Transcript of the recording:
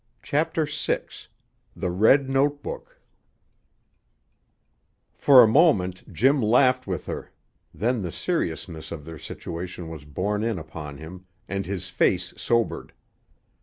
CHAPTER VI The Red Note Book For a moment Jim laughed with her; then the seriousness of their situation was borne in upon him, and his face sobered.